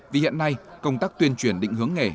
vì hiện nay công tác tuyên truyền định hướng nghề